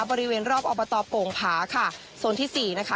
บริเวณรอบอบตโป่งผาค่ะโซนที่สี่นะคะ